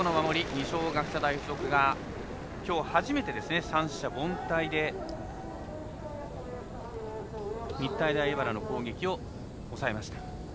二松学舎大付属がきょう初めて三者凡退で日体大荏原の攻撃を抑えました。